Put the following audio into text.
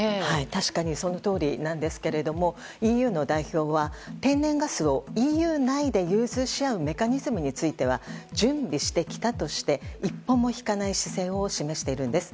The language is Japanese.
確かにそのとおりなんですがＥＵの代表は天然ガスをＥＵ内で融通し合うメカニズムについては準備してきたとして一歩も引かない姿勢を示しているんです。